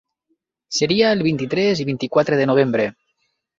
Seria el vint-i-tres i vint-i-quatre de novembre.